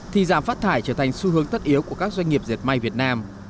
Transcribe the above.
thì giảm phát thải trở thành xu hướng tất yếu của các doanh nghiệp diệt may việt nam